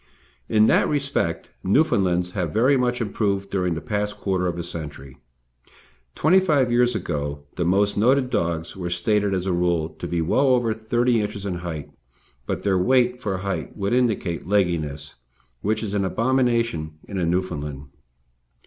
In that respect Newfoundlands have very much improved during the past quarter of a century. Twenty five years ago, the most noted dogs were stated as a rule to be well over 30 inches in height, but their weight for height would indicate legginess, which is an abomination in a Newfoundland.